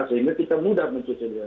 sehingga kita mudah mencocokkan